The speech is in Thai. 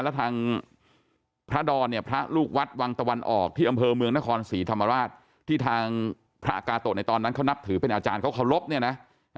แล้วทางพระดอนเนี่ยพระลูกวัดวังตะวันออกที่อำเภอเมืองนครศรีธรรมราชที่ทางพระกาโตะในตอนนั้นเขานับถือเป็นอาจารย์เขาเคารพเนี่ยนะ